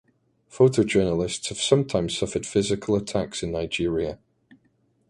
Photojournalists have sometimes suffered physical attacks in Nigeria.